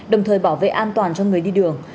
đồng thời bảo vệ an toàn cho người đi đường